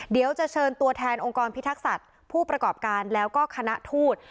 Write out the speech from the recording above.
เดี๋ยวจะเชิญตัวแทนองค์กรพิทักษัตริย์ผู้ประกอบการแล้วก็คณะทูต